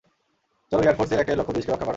চলো এয়ারফোর্স এর একটাই লক্ষ্য, দেশকে রক্ষা করা।